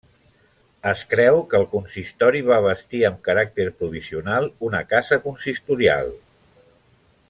Es creu que el consistori va bastir amb caràcter provisional una casa consistorial.